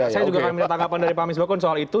saya juga ingin menerangkan dari pak amis bakun soal itu